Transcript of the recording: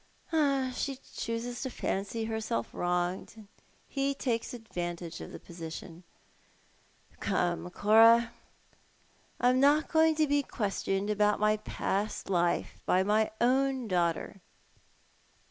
"She chooses to fancy herself wronged; and he takes advan tage of the position. Come, Cora, I am not going to be questioned about my past life by my own daughter."